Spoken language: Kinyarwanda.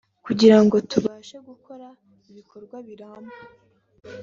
kugira ngo tubashe gukora ibikorwa biramba